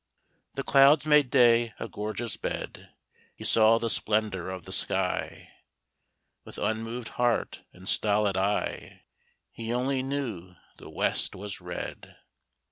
The clouds made day a gorgeous bed; He saw the splendor of the sky With unmoved heart and stolid eye; He only knew the West was red.